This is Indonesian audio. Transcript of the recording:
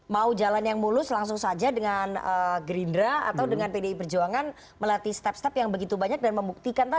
mau jalan yang mulus langsung saja dengan gerindra atau dengan pdi perjuangan melatih step step yang begitu banyak dan membuktikan tadi